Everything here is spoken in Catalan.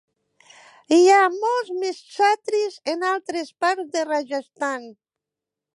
Hi ha molts més chhatris en altres parts de Rajasthan.